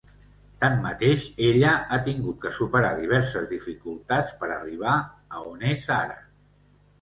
Tanmateix, ella ha tingut que superar diverses dificultats per arribar a on és ara.